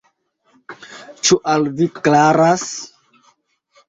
Ĉu al vi klaras?